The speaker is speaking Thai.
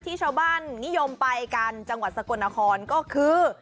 ที่ชาวบ้านนิยมไปกันจังหวัดสกลนครก็คือ